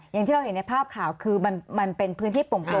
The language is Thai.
อย่างที่เราเห็นในภาพข่าวคือมันเป็นพื้นที่โป่ง